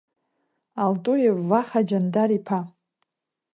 Алтуев Ваха Џандар-иԥа…